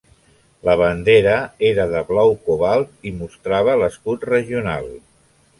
La bandera era de blau cobalt i mostrava l'escut regional.